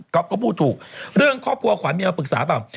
ก็พูดถูกเรื่องครอบครัวขวัญเมียมาปรึกษาเปล่า